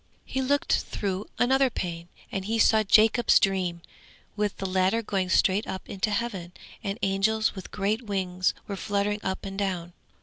Then he looked through another pane, and he saw Jacob's dream, with the ladder going straight up into heaven, and angels with great wings were fluttering up and down.